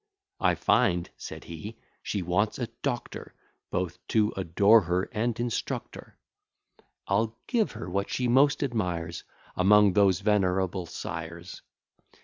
I find, said he, she wants a doctor, Both to adore her, and instruct her: I'll give her what she most admires Among those venerable sires.